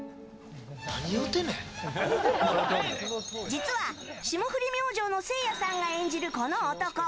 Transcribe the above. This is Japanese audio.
実は霜降り明星のせいやさんが演じる、この男。